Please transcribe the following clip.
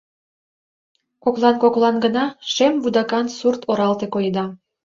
Коклан-коклан гына шем вудакан сурт оралте коеда.